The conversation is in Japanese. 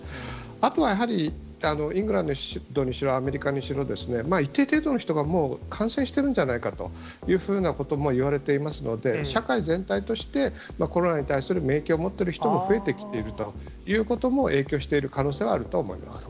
あとはやはり、イングランドにしろ、アメリカにしろですね、一定程度の人がもう、感染してるんじゃないかというふうなことも言われていますので、社会全体としてコロナに対する免疫を持っている人も増えてきているということも、影響している可能性はあるとは思います。